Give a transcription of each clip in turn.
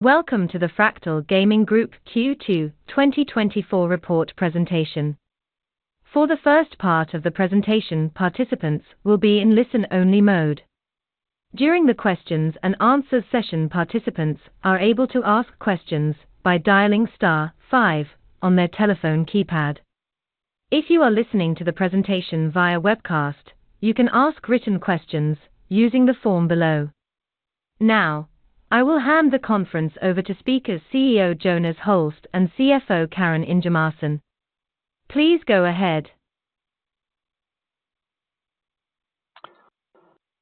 Welcome to the Fractal Gaming Group Q2 2024 report presentation. For the first part of the presentation, participants will be in listen-only mode. During the questions and answers session, participants are able to ask questions by dialing star five on their telephone keypad. If you are listening to the presentation via webcast, you can ask written questions using the form below. Now, I will hand the conference over to speakers, CEO Jonas Holst and CFO Karin Ingemarsson. Please go ahead.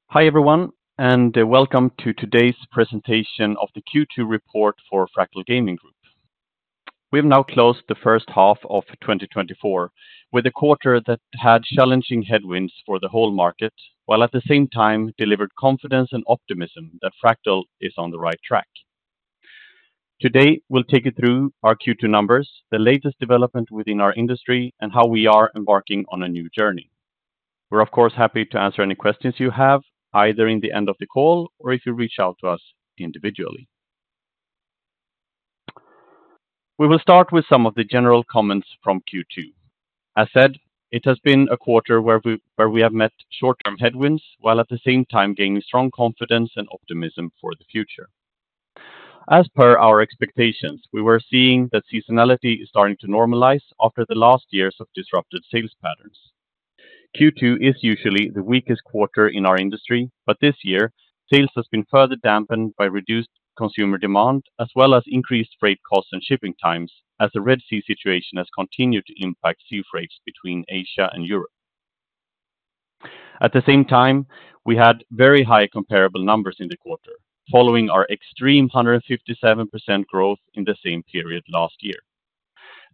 Hi, everyone, and welcome to today's presentation of the Q2 report for Fractal Gaming Group. We have now closed the first half of 2024, with a quarter that had challenging headwinds for the whole market, while at the same time delivered confidence and optimism that Fractal is on the right track. Today, we'll take you through our Q2 numbers, the latest development within our industry, and how we are embarking on a new journey. We're, of course, happy to answer any questions you have, either in the end of the call or if you reach out to us individually. We will start with some of the general comments from Q2. I said, it has been a quarter where we have met short-term headwinds, while at the same time gaining strong confidence and optimism for the future. As per our expectations, we were seeing that seasonality is starting to normalize after the last years of disrupted sales patterns. Q2 is usually the weakest quarter in our industry, but this year, sales has been further dampened by reduced consumer demand, as well as increased freight costs and shipping times, as the Red Sea situation has continued to impact sea freights between Asia and Europe. At the same time, we had very high comparable numbers in the quarter, following our extreme 157% growth in the same period last year,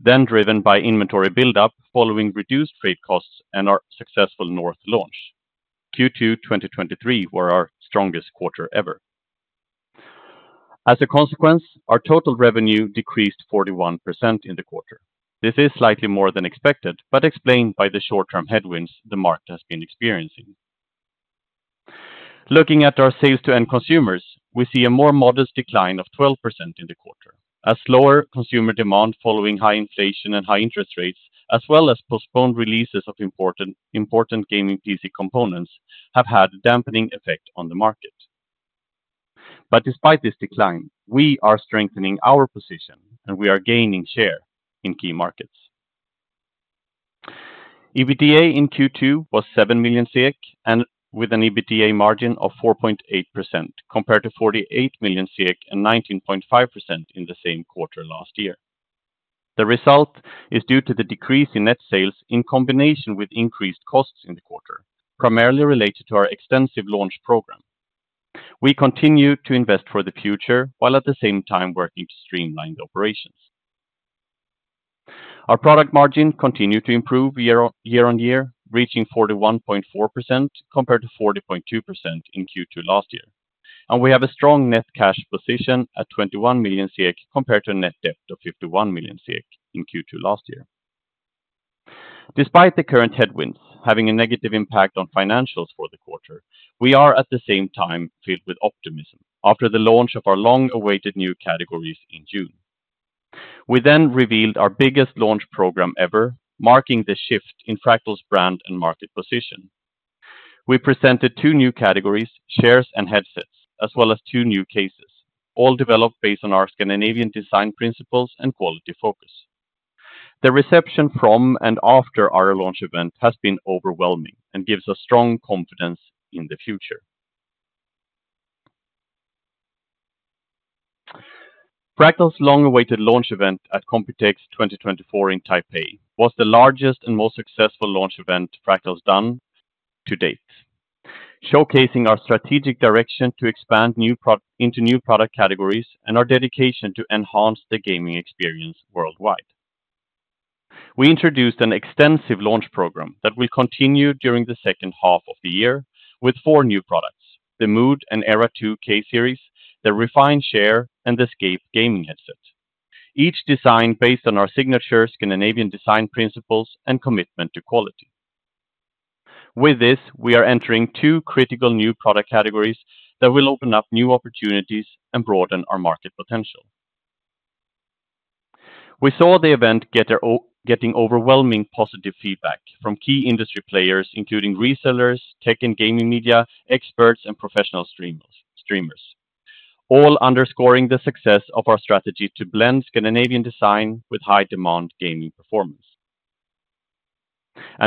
then driven by inventory buildup, following reduced freight costs and our successful North launch. Q2 2023 were our strongest quarter ever. As a consequence, our total revenue decreased 41% in the quarter. This is slightly more than expected, but explained by the short-term headwinds the market has been experiencing. Looking at our sales to end consumers, we see a more modest decline of 12% in the quarter. A slower consumer demand following high inflation and high interest rates, as well as postponed releases of important, important gaming PC components, have had a dampening effect on the market. But despite this decline, we are strengthening our position, and we are gaining share in key markets. EBITDA in Q2 was 7 million SEK, and with an EBITDA margin of 4.8%, compared to 48 million SEK and 19.5% in the same quarter last year. The result is due to the decrease in net sales in combination with increased costs in the quarter, primarily related to our extensive launch program. We continue to invest for the future, while at the same time working to streamline the operations. Our product margin continued to improve year-on-year, reaching 41.4% compared to 40.2% in Q2 last year. We have a strong net cash position at 21 million, compared to a net debt of 51 million in Q2 last year. Despite the current headwinds having a negative impact on financials for the quarter, we are at the same time filled with optimism after the launch of our long-awaited new categories in June. We then revealed our biggest launch program ever, marking the shift in Fractal's brand and market position. We presented two new categories, chairs and headsets, as well as two new cases, all developed based on our Scandinavian design principles and quality focus. The reception from and after our launch event has been overwhelming and gives us strong confidence in the future. Fractal's long-awaited launch event at Computex 2024 in Taipei was the largest and most successful launch event Fractal's done to date, showcasing our strategic direction to expand into new product categories and our dedication to enhance the gaming experience worldwide. We introduced an extensive launch program that will continue during the second half of the year with four new products: the Mood and Era 2 series, the Refine, and the Scape gaming headset, each designed based on our signature Scandinavian design principles and commitment to quality. With this, we are entering two critical new product categories that will open up new opportunities and broaden our market potential. We saw the event getting overwhelming positive feedback from key industry players, including resellers, tech and gaming media, experts, and professional streamers, all underscoring the success of our strategy to blend Scandinavian design with high-demand gaming performance.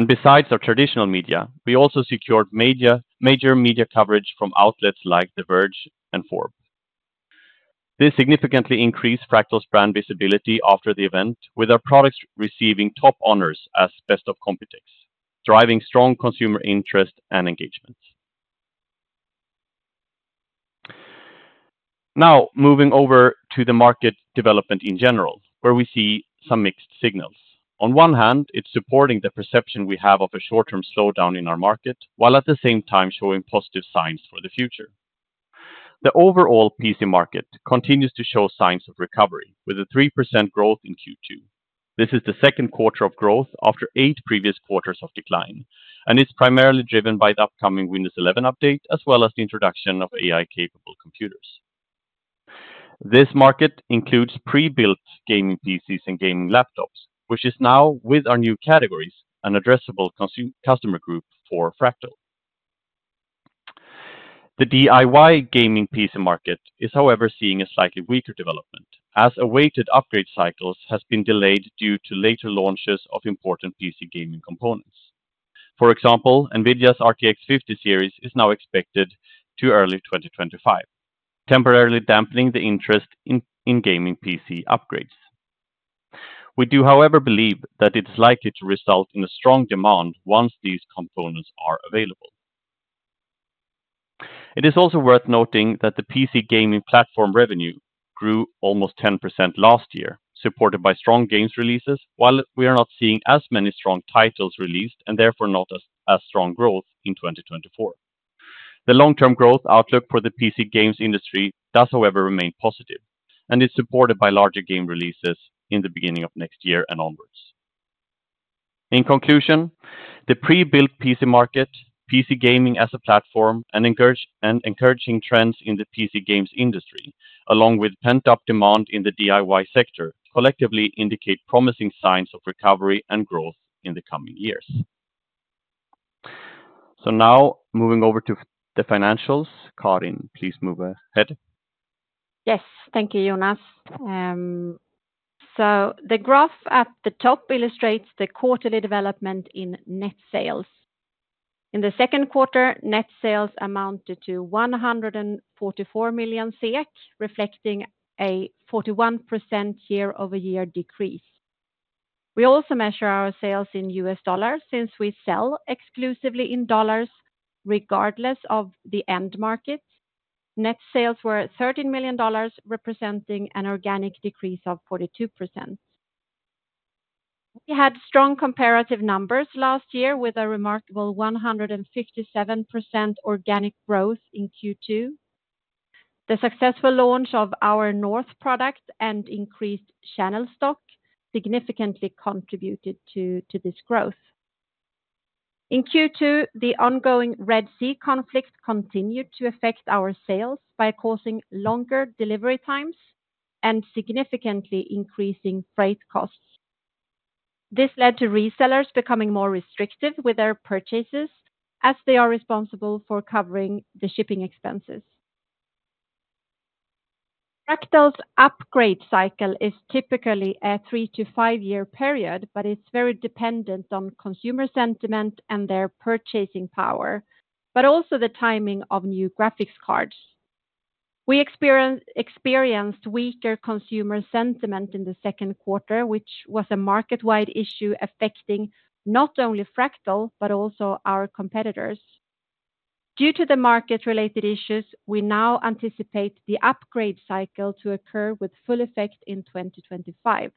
Besides our traditional media, we also secured major media coverage from outlets like The Verge and Forbes. This significantly increased Fractal's brand visibility after the event, with our products receiving top honors as best of Computex, driving strong consumer interest and engagement. Now, moving over to the market development in general, where we see some mixed signals. On one hand, it's supporting the perception we have of a short-term slowdown in our market, while at the same time showing positive signs for the future. The overall PC market continues to show signs of recovery, with a 3% growth in Q2. This is the second quarter of growth after eight previous quarters of decline, and it's primarily driven by the upcoming Windows 11 update, as well as the introduction of AI-capable computers. This market includes pre-built gaming PCs and gaming laptops, which is now, with our new categories, an addressable customer group for Fractal. The DIY gaming PC market is, however, seeing a slightly weaker development, as awaited upgrade cycles has been delayed due to later launches of important PC gaming components. For example, NVIDIA's RTX 50 series is now expected to early 2025, temporarily dampening the interest in gaming PC upgrades. We do, however, believe that it's likely to result in a strong demand once these components are available. It is also worth noting that the PC gaming platform revenue grew almost 10% last year, supported by strong games releases, while we are not seeing as many strong titles released, and therefore not as strong growth in 2024. The long-term growth outlook for the PC games industry does, however, remain positive, and is supported by larger game releases in the beginning of next year and onwards. In conclusion, the pre-built PC market, PC gaming as a platform, and encouraging trends in the PC games industry, along with pent-up demand in the DIY sector, collectively indicate promising signs of recovery and growth in the coming years. So now, moving over to the financials. Karin, please move ahead. Yes, thank you, Jonas. So the graph at the top illustrates the quarterly development in net sales. In the second quarter, net sales amounted to 144 million SEK, reflecting a 41% year-over-year decrease. We also measure our sales in US dollars, since we sell exclusively in dollars, regardless of the end market. Net sales were $13 million, representing an organic decrease of 42%. We had strong comparative numbers last year, with a remarkable 157% organic growth in Q2. The successful launch of our North product and increased channel stock significantly contributed to this growth. In Q2, the ongoing Red Sea conflict continued to affect our sales by causing longer delivery times and significantly increasing freight costs. This led to resellers becoming more restrictive with their purchases, as they are responsible for covering the shipping expenses. Fractal's upgrade cycle is typically a three- to five-year period, but it's very dependent on consumer sentiment and their purchasing power, but also the timing of new graphics cards. We experienced weaker consumer sentiment in the second quarter, which was a market-wide issue affecting not only Fractal, but also our competitors. Due to the market-related issues, we now anticipate the upgrade cycle to occur with full effect in 2025.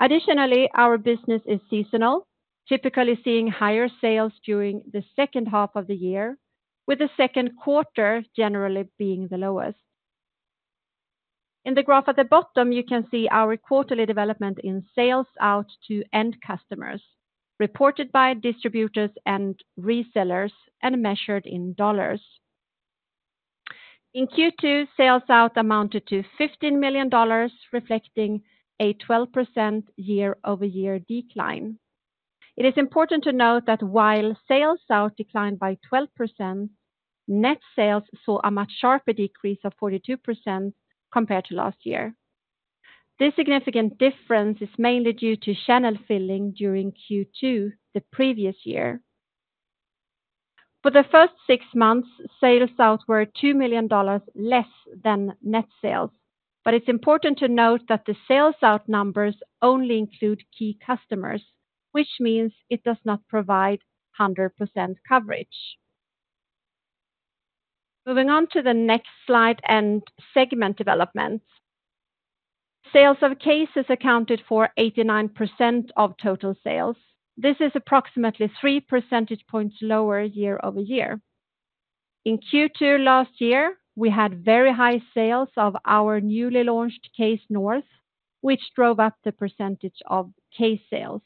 Additionally, our business is seasonal, typically seeing higher sales during the second half of the year, with the second quarter generally being the lowest. In the graph at the bottom, you can see our quarterly development in sales out to end customers, reported by distributors and resellers, and measured in dollars. In Q2, sales out amounted to $15 million, reflecting a 12% year-over-year decline. It is important to note that while sales out declined by 12%, net sales saw a much sharper decrease of 42% compared to last year. This significant difference is mainly due to channel filling during Q2, the previous year. For the first six months, sales out were $2 million less than net sales. But it's important to note that the sales out numbers only include key customers, which means it does not provide 100% coverage. Moving on to the next slide and segment developments. Sales of cases accounted for 89% of total sales. This is approximately three percentage points lower year-over-year. In Q2 last year, we had very high sales of our newly launched North, which drove up the percentage of case sales.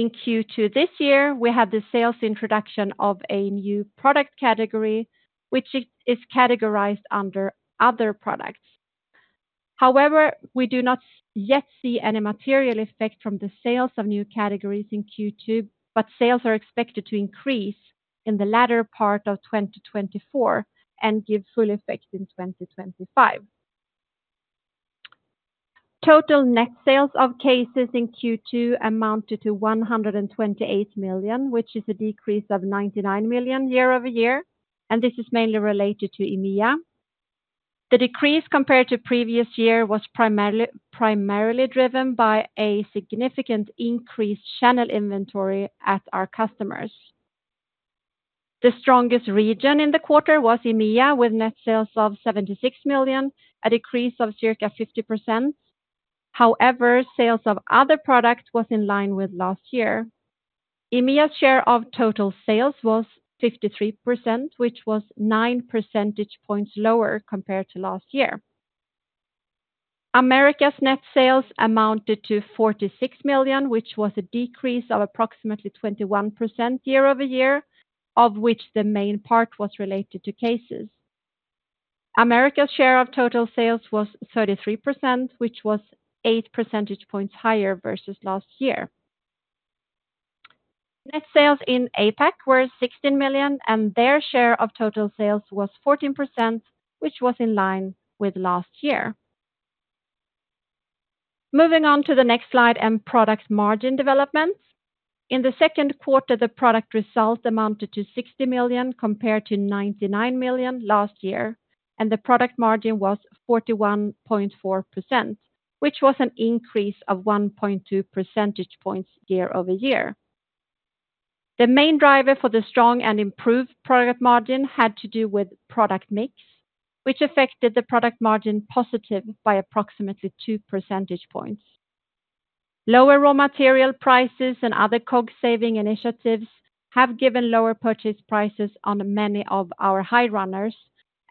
In Q2 this year, we have the sales introduction of a new product category, which is categorized under other products. However, we do not yet see any material effect from the sales of new categories in Q2, but sales are expected to increase in the latter part of 2024 and give full effect in 2025. Total net sales of cases in Q2 amounted to 128 million, which is a decrease of 99 million year-over-year, and this is mainly related to EMEA. The decrease compared to previous year was primarily driven by a significant increased channel inventory at our customers. The strongest region in the quarter was EMEA, with net sales of 76 million, a decrease of circa 50%. However, sales of other products was in line with last year. EMEA's share of total sales was 53%, which was nine percentage points lower compared to last year. Americas' net sales amounted to 46 million, which was a decrease of approximately 21% year-over-year, of which the main part was related to cases. Americas' share of total sales was 33%, which was eight percentage points higher versus last year. Net sales in APAC were 16 million, and their share of total sales was 14%, which was in line with last year. Moving on to the next slide, and product margin developments. In the second quarter, the product results amounted to 60 million, compared to 99 million last year, and the product margin was 41.4%, which was an increase of 1.2 percentage points year-over-year. The main driver for the strong and improved product margin had to do with product mix, which affected the product margin positive by approximately 2 percentage points. Lower raw material prices and other COGS saving initiatives have given lower purchase prices on many of our high runners,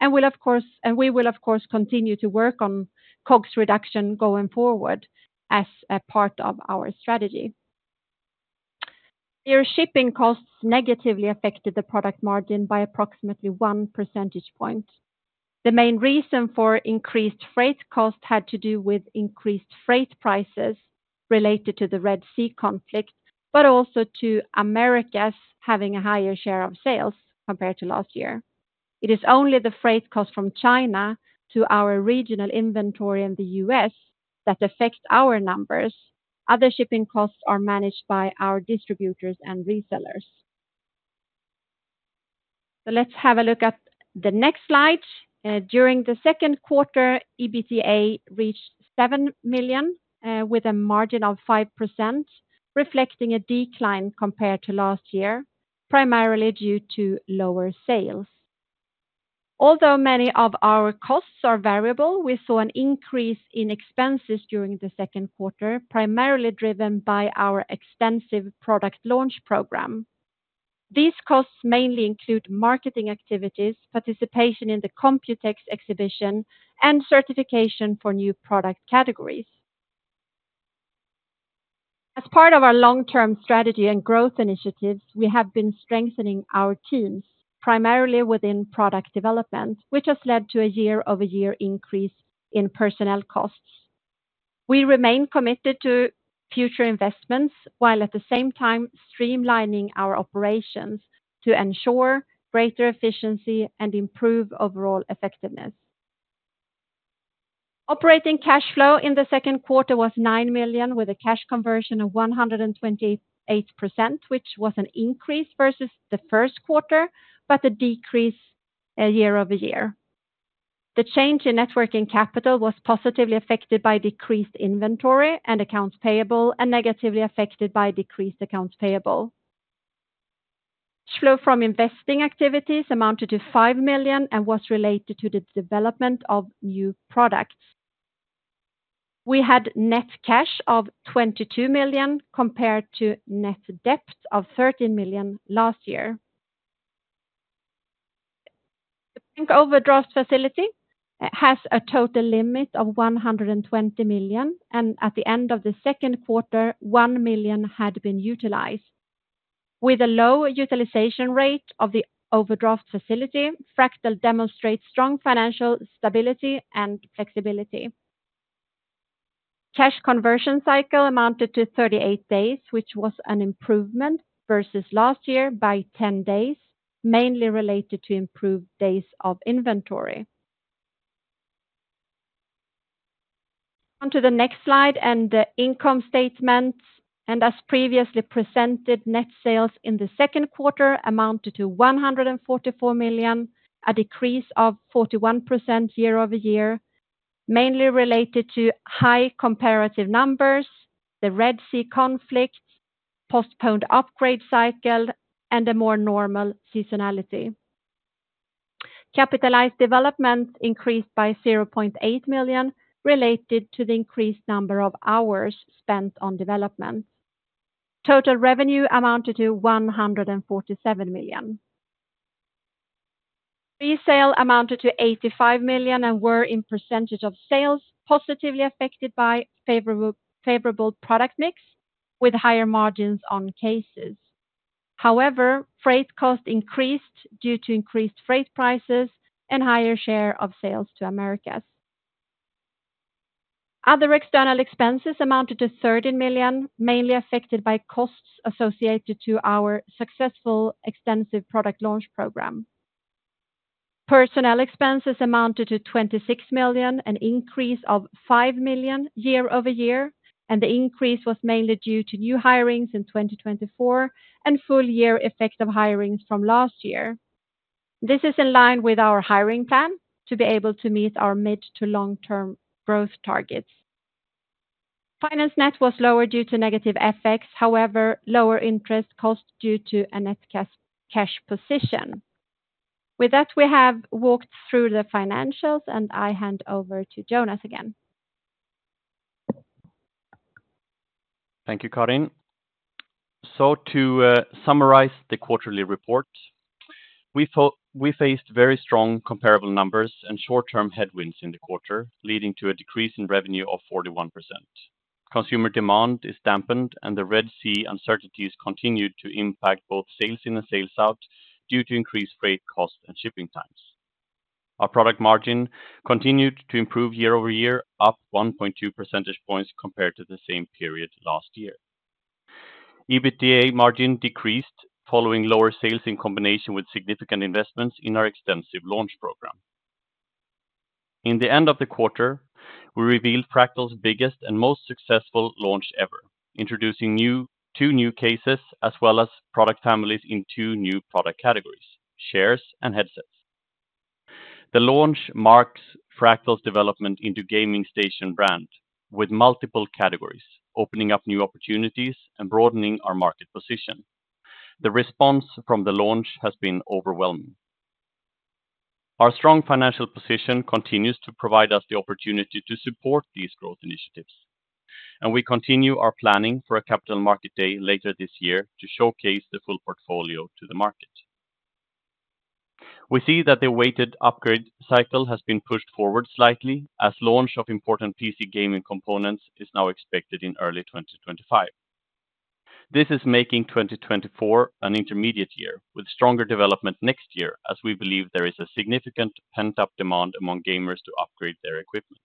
and will, of course, and we will, of course, continue to work on COGS reduction going forward as a part of our strategy. Air shipping costs negatively affected the product margin by approximately 1 percentage point. The main reason for increased freight costs had to do with increased freight prices related to the Red Sea conflict, but also to Americas having a higher share of sales compared to last year. It is only the freight cost from China to our regional inventory in the U.S. that affects our numbers. Other shipping costs are managed by our distributors and resellers. So let's have a look at the next slide. During the second quarter, EBITDA reached 7 million with a margin of 5%, reflecting a decline compared to last year, primarily due to lower sales. Although many of our costs are variable, we saw an increase in expenses during the second quarter, primarily driven by our extensive product launch program. These costs mainly include marketing activities, participation in the Computex exhibition, and certification for new product categories. As part of our long-term strategy and growth initiatives, we have been strengthening our teams, primarily within product development, which has led to a year-over-year increase in personnel costs. We remain committed to future investments, while at the same time streamlining our operations to ensure greater efficiency and improve overall effectiveness. Operating cash flow in the second quarter was 9 million, with a cash conversion of 128%, which was an increase versus the first quarter, but a decrease year-over-year. The change in net working capital was positively affected by decreased inventory and accounts payable, and negatively affected by decreased accounts payable. Cash flow from investing activities amounted to 5 million and was related to the development of new products. We had net cash of 22 million compared to net debt of 13 million last year. The bank overdraft facility has a total limit of 120 million, and at the end of the second quarter, 1 million had been utilized. With a low utilization rate of the overdraft facility, Fractal demonstrates strong financial stability and flexibility. Cash conversion cycle amounted to 38 days, which was an improvement versus last year by 10 days, mainly related to improved days of inventory. On to the next slide, and the income statement, and as previously presented, net sales in the second quarter amounted to 144 million, a decrease of 41% year-over-year, mainly related to high comparative numbers, the Red Sea conflict, postponed upgrade cycle, and a more normal seasonality. Capitalized development increased by 0.8 million, related to the increased number of hours spent on development. Total revenue amounted to 147 million. Goods for resale amounted to 85 million and were, in percentage of sales, positively affected by favorable, favorable product mix, with higher margins on cases. However, freight costs increased due to increased freight prices and higher share of sales to Americas. Other external expenses amounted to 13 million, mainly affected by costs associated to our successful extensive product launch program. Personnel expenses amounted to 26 million, an increase of 5 million year-over-year, and the increase was mainly due to new hirings in 2024 and full year effect of hirings from last year. This is in line with our hiring plan to be able to meet our mid- to long-term growth targets. Finance net was lower due to negative effects, however, lower interest costs due to a net cash position. With that, we have walked through the financials, and I hand over to Jonas again. ... Thank you, Karin. So to summarize the quarterly report, we faced very strong comparable numbers and short-term headwinds in the quarter, leading to a decrease in revenue of 41%. Consumer demand is dampened, and the Red Sea uncertainties continued to impact both sales in and sales out due to increased freight costs and shipping times. Our product margin continued to improve year-over-year, up 1.2 percentage points compared to the same period last year. EBITDA margin decreased following lower sales in combination with significant investments in our extensive launch program. In the end of the quarter, we revealed Fractal's biggest and most successful launch ever, introducing two new cases, as well as product families in two new product categories: chairs and headsets. The launch marks Fractal's development into gaming station brand with multiple categories, opening up new opportunities and broadening our market position. The response from the launch has been overwhelming. Our strong financial position continues to provide us the opportunity to support these growth initiatives, and we continue our planning for a Capital Markets Day later this year to showcase the full portfolio to the market. We see that the awaited upgrade cycle has been pushed forward slightly as launch of important PC gaming components is now expected in early 2025. This is making 2024 an intermediate year, with stronger development next year, as we believe there is a significant pent-up demand among gamers to upgrade their equipment.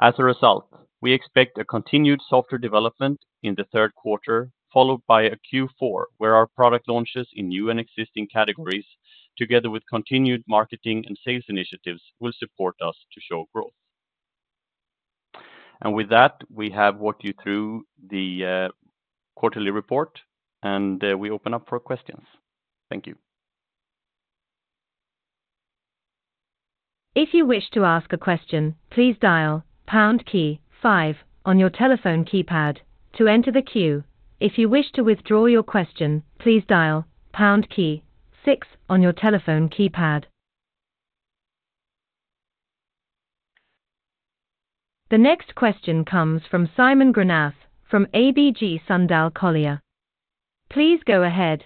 As a result, we expect a continued softer development in the third quarter, followed by a Q4, where our product launches in new and existing categories, together with continued marketing and sales initiatives, will support us to show growth. And with that, we have walked you through the quarterly report, and we open up for questions. Thank you. If you wish to ask a question, please dial pound key five on your telephone keypad to enter the queue. If you wish to withdraw your question, please dial pound key six on your telephone keypad. The next question comes from Simon Granath, from ABG Sundal Collier. Please go ahead.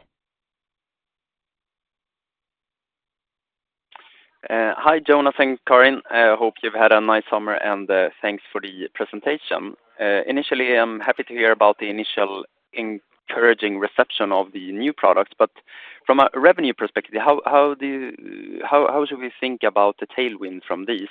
Hi, Jonas and Karin. Hope you've had a nice summer, and thanks for the presentation. Initially, I'm happy to hear about the initial encouraging reception of the new product, but from a revenue perspective, how should we think about the tailwind from this?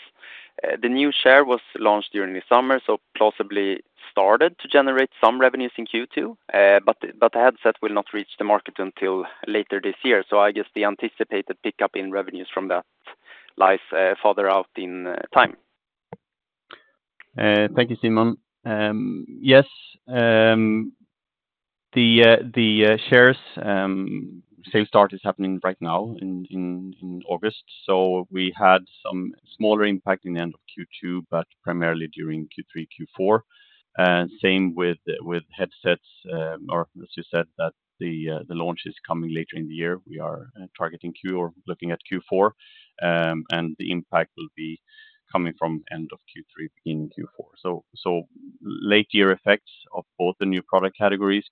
The new chair was launched during the summer, so plausibly started to generate some revenues in Q2. But the headset will not reach the market until later this year, so I guess the anticipated pickup in revenues from that lies further out in time. Thank you, Simon. Yes, the chairs sales start is happening right now in August, so we had some smaller impact in the end of Q2, but primarily during Q3, Q4. And same with headsets, or as you said, that the launch is coming later in the year. We are targeting Q4 or looking at Q4, and the impact will be coming from end of Q3 in Q4. So late year effects of both the new product categories,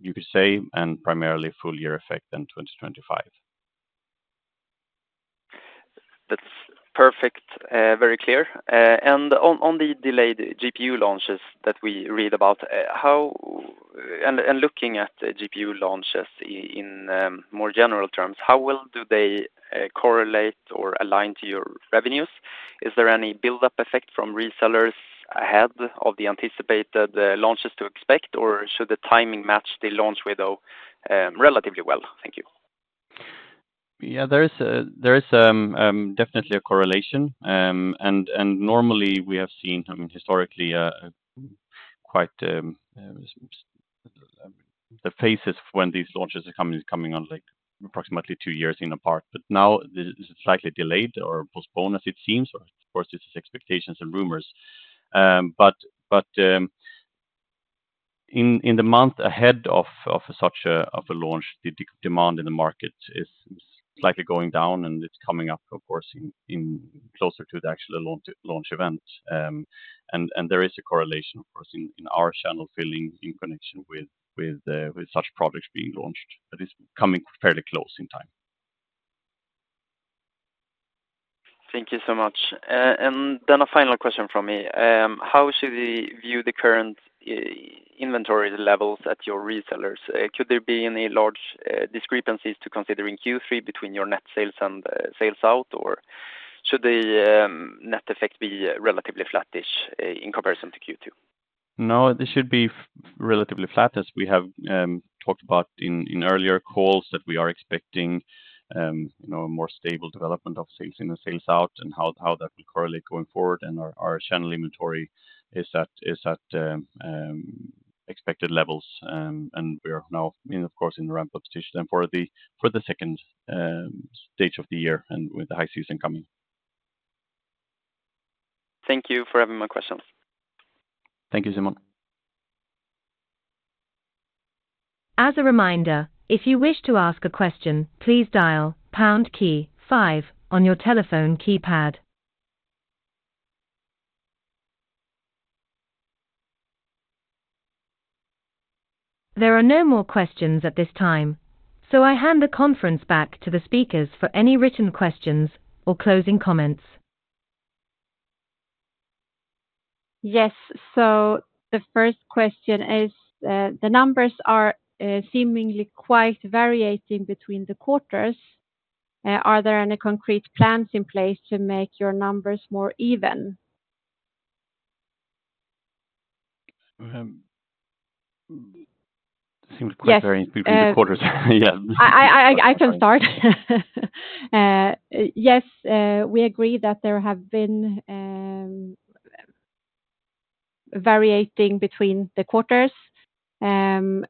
you could say, and primarily full year effect in 2025. That's perfect, very clear. On the delayed GPU launches that we read about, and looking at the GPU launches in more general terms, how well do they correlate or align to your revenues? Is there any build-up effect from resellers ahead of the anticipated launches to expect, or should the timing match the launch window relatively well? Thank you. Yeah, there is definitely a correlation. And normally we have seen, I mean, historically, quite the phases when these launches are coming, is coming on, like approximately two years apart. But now this is slightly delayed or postponed as it seems, of course, this is expectations and rumors. But, in the month ahead of such a launch, the demand in the market is slightly going down, and it's coming up, of course, in closer to the actual launch event. And there is a correlation, of course, in our channel filling in connection with such products being launched. That is coming fairly close in time. Thank you so much. And then a final question from me. How should we view the current inventory levels at your resellers? Could there be any large discrepancies to considering Q3 between your net sales and sales out, or should the net effect be relatively flattish in comparison to Q2? No, this should be relatively flat, as we have talked about in earlier calls, that we are expecting, you know, a more stable development of sales in and sales out, and how that will correlate going forward. And our channel inventory is at expected levels. And we are now in, of course, the ramp-up position and for the second stage of the year and with the high season coming. Thank you for having my questions. Thank you, Simon.... As a reminder, if you wish to ask a question, please dial pound key five on your telephone keypad. There are no more questions at this time, so I hand the conference back to the speakers for any written questions or closing comments. Yes. So the first question is, the numbers are seemingly quite varying between the quarters. Are there any concrete plans in place to make your numbers more even? Seems quite varying- Yes between the quarters. Yeah. I can start. Yes, we agree that there have been varying between the quarters, and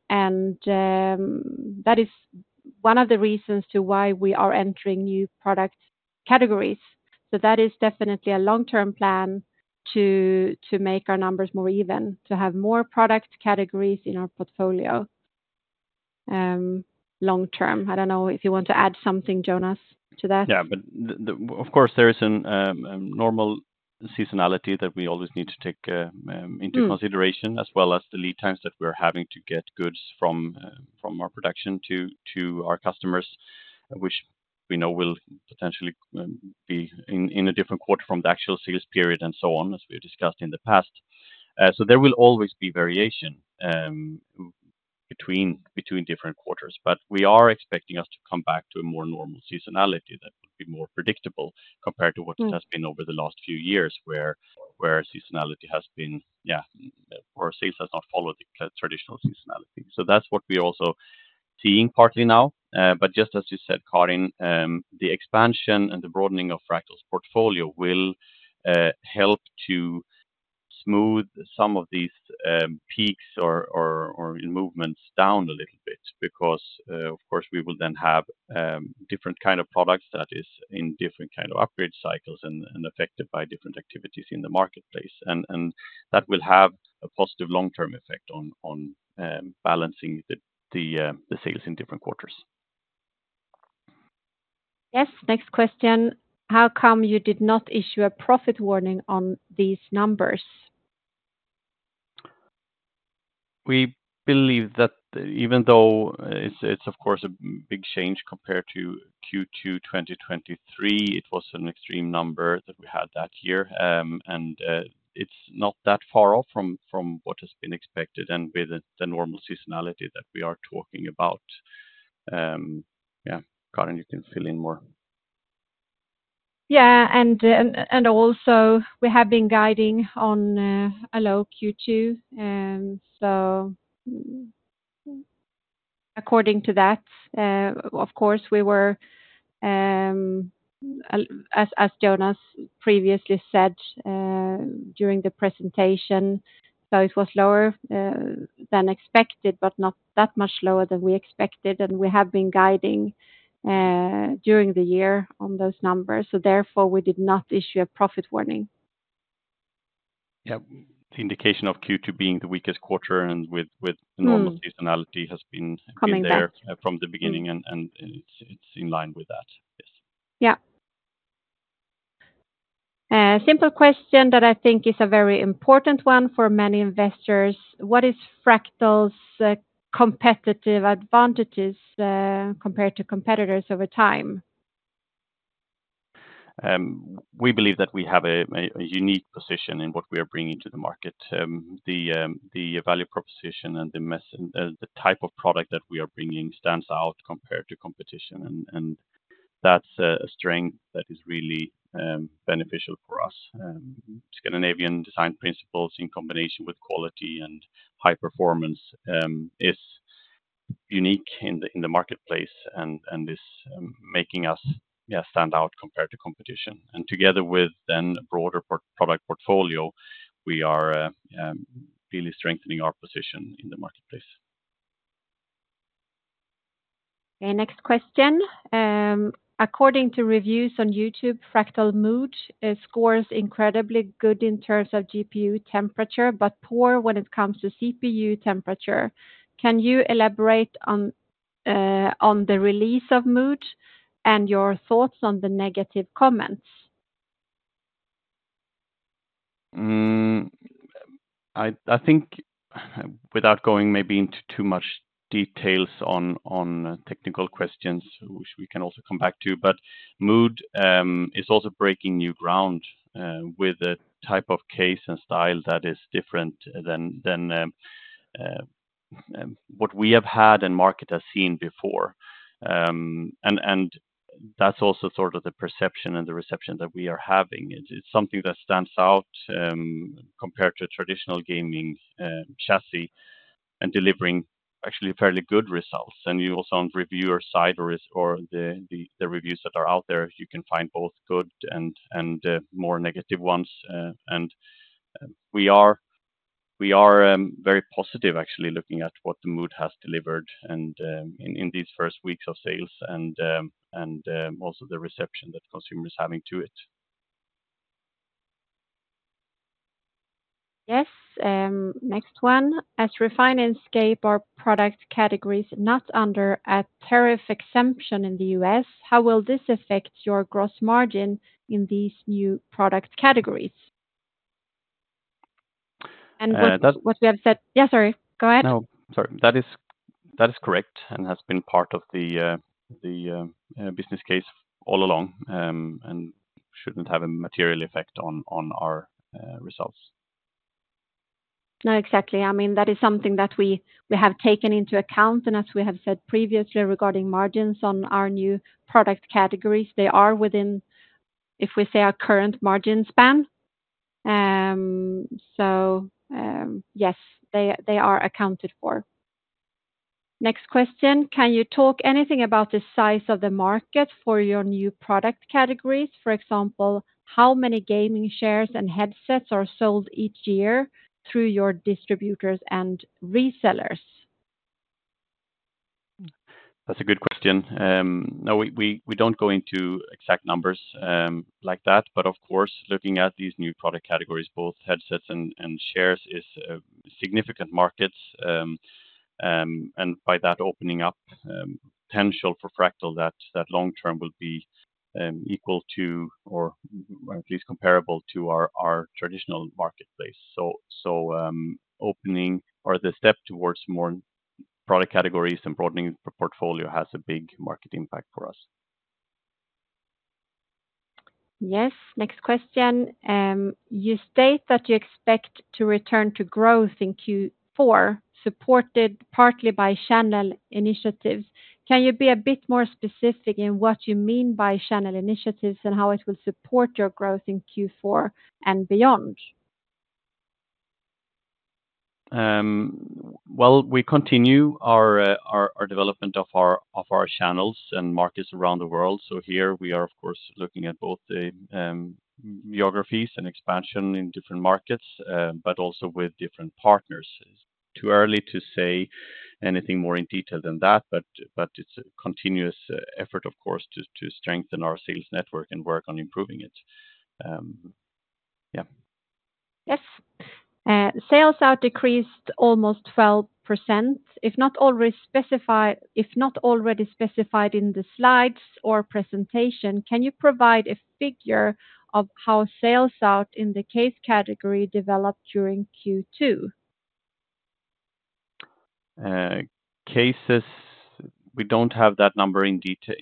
that is one of the reasons to why we are entering new product categories. So that is definitely a long-term plan to make our numbers more even, to have more product categories in our portfolio, long term. I don't know if you want to add something, Jonas, to that. Yeah, but of course, there is a normal seasonality that we always need to take into consideration- Mm... as well as the lead times that we're having to get goods from our production to our customers, which we know will potentially be in a different quarter from the actual sales period and so on, as we've discussed in the past. So there will always be variation between different quarters. But we are expecting us to come back to a more normal seasonality that would be more predictable compared to what it- Mm... has been over the last few years, where seasonality has been, yeah, where sales has not followed the traditional seasonality. So that's what we're also seeing partly now. But just as you said, Karin, the expansion and the broadening of Fractal's portfolio will help to smooth some of these peaks or movements down a little bit, because, of course, we will then have different kind of products that is in different kind of upgrade cycles and that will have a positive long-term effect on balancing the sales in different quarters. Yes. Next question: How come you did not issue a profit warning on these numbers? We believe that even though it's of course a big change compared to Q2 2023, it was an extreme number that we had that year. It's not that far off from what has been expected and with the normal seasonality that we are talking about. Yeah. Karin, you can fill in more. Yeah, and also, we have been guiding on a low Q2. So according to that, of course, we were, as Jonas previously said during the presentation, so it was lower than expected, but not that much lower than we expected, and we have been guiding during the year on those numbers. So therefore, we did not issue a profit warning. Yeah. The indication of Q2 being the weakest quarter and with, Mm... normal seasonality has been- Coming back in there from the beginning, and it's in line with that. Yes. Yeah. Simple question that I think is a very important one for many investors: What is Fractal's competitive advantages, compared to competitors over time? We believe that we have a unique position in what we are bringing to the market. The value proposition and the type of product that we are bringing stands out compared to competition, and that's a strength that is really beneficial for us. Scandinavian design principles in combination with quality and high performance is unique in the marketplace and is making us, yeah, stand out compared to competition. And together with the broader product portfolio, we are really strengthening our position in the marketplace. Okay, next question. According to reviews on YouTube, Fractal Mood scores incredibly good in terms of GPU temperature, but poor when it comes to CPU temperature. Can you elaborate on the release of Mood and your thoughts on the negative comments? I think without going maybe into too much details on technical questions, which we can also come back to, but Mood is also breaking new ground with a type of case and style that is different than what we have had and market has seen before. And that's also sort of the perception and the reception that we are having. It's something that stands out compared to traditional gaming chassis, and delivering actually fairly good results. And you also on reviewer side or the reviews that are out there, you can find both good and more negative ones. We are very positive, actually, looking at what the Mood has delivered and in these first weeks of sales and also the reception that consumers are having to it. ... Yes, next one. As Refine, Scape our product categories not under a tariff exemption in the U.S., how will this affect your gross margin in these new product categories? And what we have said-- Yeah, sorry, go ahead. No, sorry. That is correct, and has been part of the business case all along, and shouldn't have a material effect on our results. No, exactly. I mean, that is something that we have taken into account, and as we have said previously, regarding margins on our new product categories, they are within, if we say, our current margin span. Yes, they are accounted for. Next question: Can you talk anything about the size of the market for your new product categories? For example, how many gaming chairs and headsets are sold each year through your distributors and resellers? That's a good question. No, we don't go into exact numbers like that, but of course, looking at these new product categories, both headsets and chairs is significant markets, and by that opening up potential for Fractal, that long term will be equal to, or at least comparable to our traditional marketplace. So, opening or the step towards more product categories and broadening the portfolio has a big market impact for us. Yes. Next question. You state that you expect to return to growth in Q4, supported partly by channel initiatives. Can you be a bit more specific in what you mean by channel initiatives, and how it will support your growth in Q4 and beyond? Well, we continue our development of our channels and markets around the world. So here we are, of course, looking at both the geographies and expansion in different markets, but also with different partners. It's too early to say anything more in detail than that, but it's a continuous effort, of course, to strengthen our sales network and work on improving it. Yeah. Yes. Sales have decreased almost 12%, if not already specified in the slides or presentation, can you provide a figure of how sales out in the case category developed during Q2? Cases, we don't have that number in detail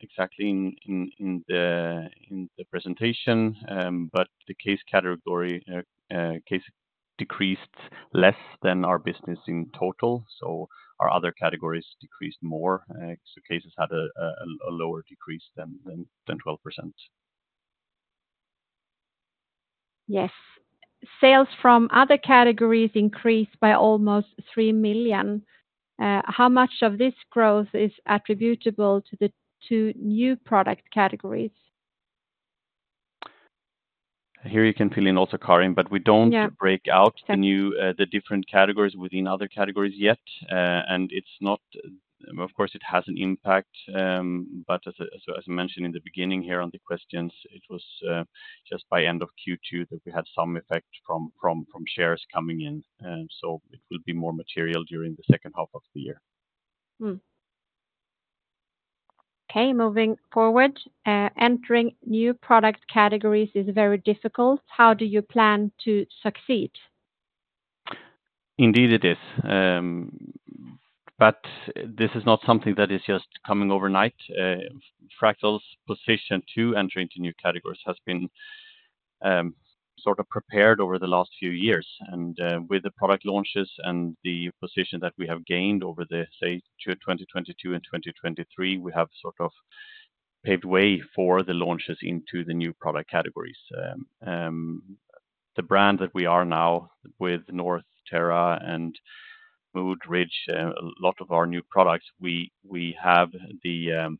exactly in the presentation, but the case category decreased less than our business in total, so our other categories decreased more. So cases had a lower decrease than 12%. Yes. Sales from other categories increased by almost 3 million. How much of this growth is attributable to the two new product categories? Here you can fill in also, Karin, but we don't- Yeah. -break out the new, the different categories within other categories yet. And it's not, of course, it has an impact, but as I mentioned in the beginning here on the questions, it was just by end of Q2 that we had some effect from shares coming in, so it will be more material during the second half of the year. Okay, moving forward. Entering new product categories is very difficult. How do you plan to succeed? Indeed, it is. But this is not something that is just coming overnight. Fractal's position to enter into new categories has been sort of prepared over the last few years, and with the product launches and the position that we have gained over the say to 2022 and 2023, we have sort of paved way for the launches into the new product categories. The brand that we are now with North, Terra, and Mood, Ridge, a lot of our new products, we have the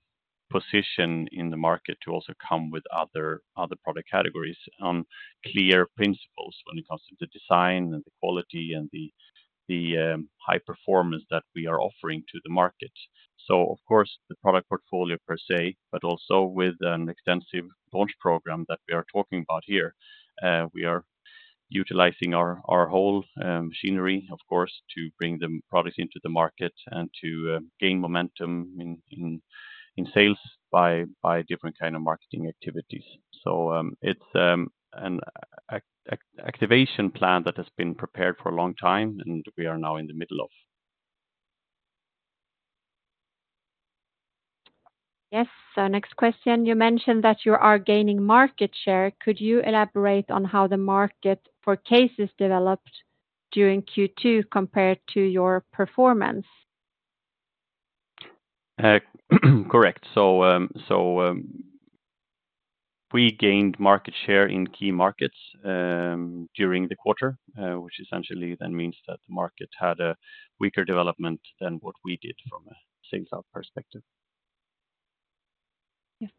position in the market to also come with other product categories on clear principles when it comes to the design and the quality and the high performance that we are offering to the market. So of course, the product portfolio per se, but also with an extensive launch program that we are talking about here. We are utilizing our whole machinery, of course, to bring the products into the market and to gain momentum in sales by different kind of marketing activities. So, it's an activation plan that has been prepared for a long time, and we are now in the middle of. Yes. Next question: You mentioned that you are gaining market share. Could you elaborate on how the market for cases developed during Q2 compared to your performance? Correct. So, we gained market share in key markets during the quarter, which essentially then means that the market had a weaker development than what we did from a sales out perspective. Yes.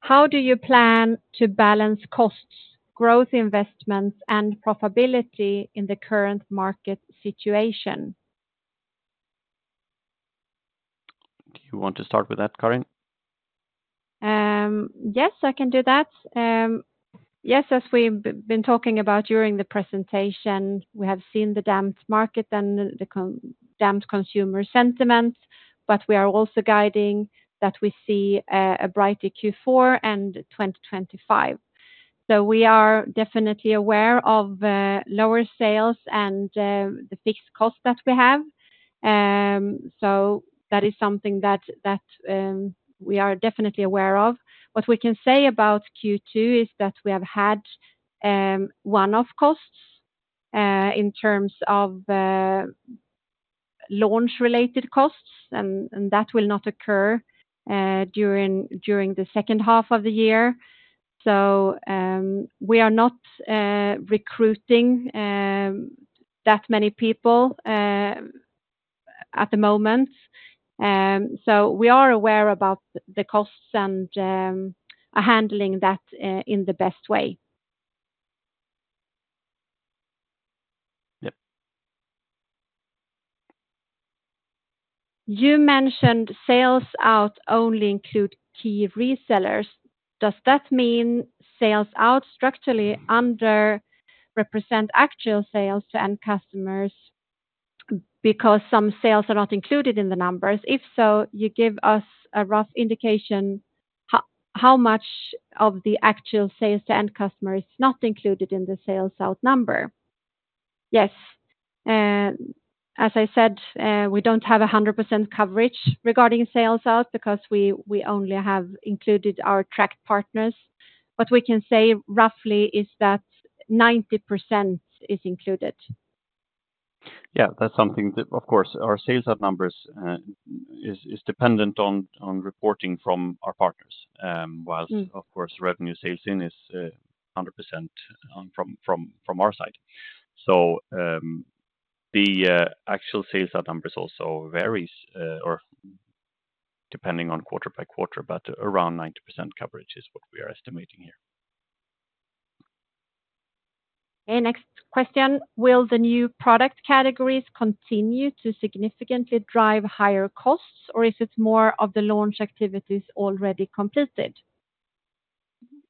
How do you plan to balance costs, growth, investments, and profitability in the current market situation?... You want to start with that, Karin? Yes, I can do that. Yes, as we've been talking about during the presentation, we have seen the dampened market and the dampened consumer sentiment, but we are also guiding that we see a brighter Q4 and 2025. So we are definitely aware of lower sales and the fixed cost that we have. So that is something that we are definitely aware of. What we can say about Q2 is that we have had one-off costs in terms of launch related costs, and that will not occur during the second half of the year. So we are not recruiting that many people at the moment. So we are aware about the costs and are handling that in the best way. Yep. You mentioned sales out only include key resellers. Does that mean sales out structurally underrepresent actual sales to end customers because some sales are not included in the numbers? If so, you give us a rough indication, how much of the actual sales to end customer is not included in the sales out number? Yes. As I said, we don't have 100% coverage regarding sales out, because we only have included our tracked partners. What we can say roughly is that 90% is included. Yeah, that's something that, of course, our sales out numbers is dependent on reporting from our partners. Whilst- Mm. Of course, revenue sales in is 100% from our side. So, the actual sales out numbers also varies or depending on quarter by quarter, but around 90% coverage is what we are estimating here. Okay, next question. Will the new product categories continue to significantly drive higher costs, or is it more of the launch activities already completed?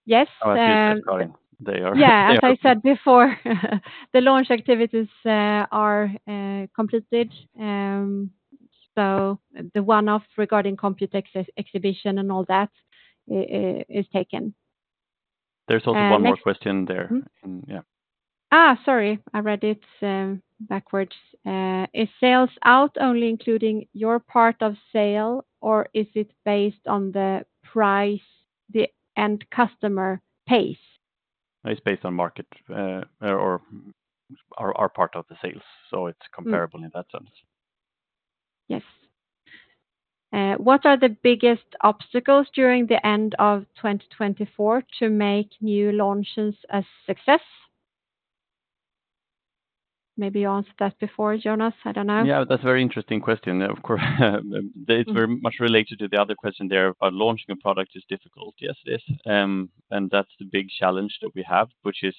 Yes, Oh, please, start, Karin. They are- Yeah, as I said before, the launch activities are completed. So the one-off regarding Computex exhibition and all that is taken. There's also one more question there. Mm-hmm. Um, yeah. Sorry, I read it backwards. Is sales out only including your part of sale, or is it based on the price the end customer pays? It's based on market, or our, our part of the sales, so it's- Mm... comparable in that sense. Yes. What are the biggest obstacles during the end of 2024 to make new launches a success? Maybe you answered that before, Jonas, I don't know. Yeah, that's a very interesting question. Of course, they- Mm... very much related to the other question there about launching a product is difficult. Yes, it is. And that's the big challenge that we have, which is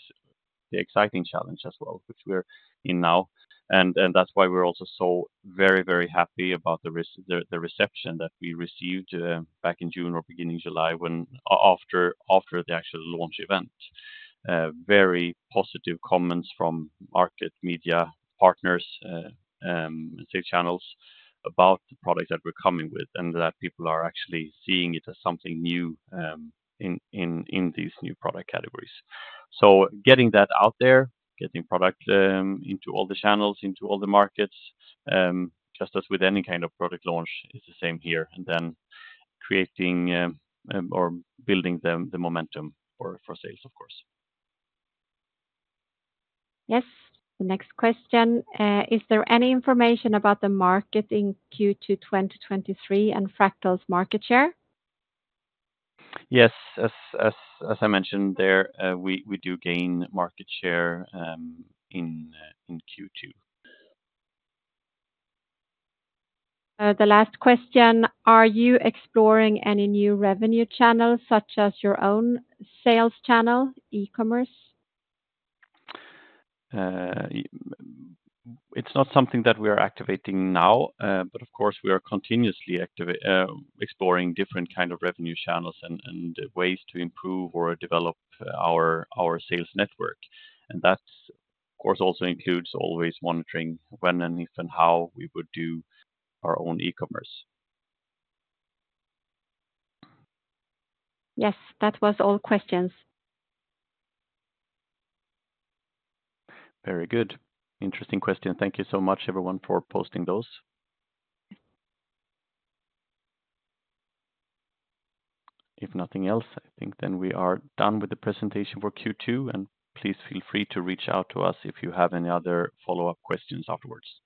the exciting challenge as well, which we're in now. And that's why we're also so very, very happy about the reception that we received back in June or beginning July, when after the actual launch event. Very positive comments from market media, partners, and sales channels about the products that we're coming with, and that people are actually seeing it as something new in these new product categories. So getting that out there, getting product into all the channels, into all the markets, just as with any kind of product launch is the same here, and then creating or building the momentum for sales, of course. Yes. The next question: is there any information about the market in Q2 2023 and Fractal's market share? Yes, as I mentioned there, we do gain market share in Q2. The last question: Are you exploring any new revenue channels, such as your own sales channel, e-commerce? It's not something that we are activating now, but of course, we are continuously exploring different kind of revenue channels and ways to improve or develop our sales network. And that, of course, also includes always monitoring when and if and how we would do our own e-commerce. Yes, that was all questions. Very good. Interesting question. Thank you so much, everyone, for posting those. If nothing else, I think then we are done with the presentation for Q2, and please feel free to reach out to us if you have any other follow-up questions afterwards.